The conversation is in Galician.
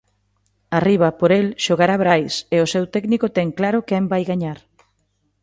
Arriba, por el, xogará Brais e o seu técnico ten claro quen vai gañar.